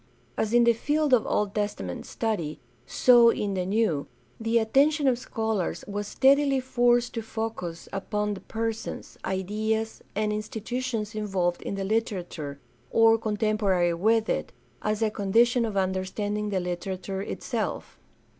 As in the field of Old Testament study, so in the New, the attention of scholars was steadily forced to focus upon the persons, ideas, and institutions involved in the literature, (Sr contemporary with it, as a condition of understanding the literature itself.